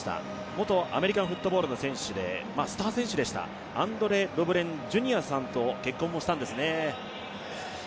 元アメリカンフットボールの選手で、スター選手でしたアンドレ・レブロン・ジュニアさんと結婚したんですね。